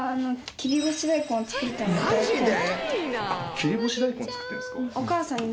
切り干し大根作ってるんですか？